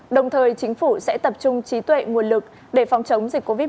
đồng thời chính phủ sẽ tập trung trí tuệ nguồn lực để phòng chống dịch covid một mươi chín